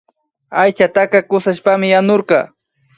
Aychataka kushashpami yanurka